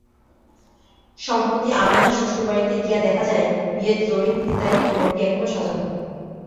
সম্প্রতি আমেনার শ্বশুরবাড়িতে গিয়ে দেখা যায়, বিয়ের জরিন ফিতায় ঘরটি এখনো সাজানো।